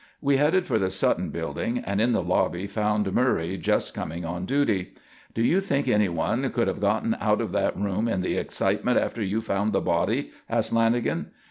We headed for the Sutton Building, and in the lobby found Murray, just coming on duty. "Do you think anyone could have gotten out of that room in the excitement after you found the body?" asked Lanagan.